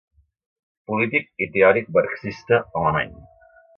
Polític i teòric marxista alemany.